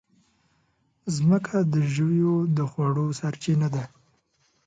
مځکه د ژويو د خوړو سرچینه ده.